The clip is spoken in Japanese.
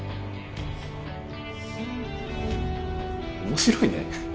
面白いね。